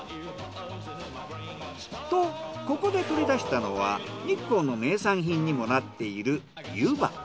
とここで取り出したのは日光の名産品にもなっている湯波。